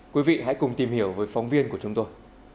quý vị hãy cùng tìm hiểu với phóng viên của chúng tôi